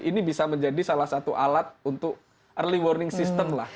ini bisa menjadi salah satu alat untuk early warning system lah